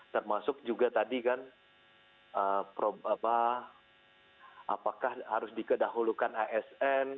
termasuk juga tadi kan apakah harus dikedahulukan asn